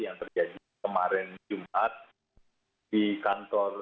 yang terjadi kemarin jumat di kantor